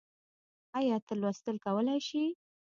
ايا ته لوستل کولی شې؟